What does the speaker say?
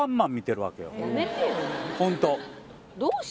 ホント。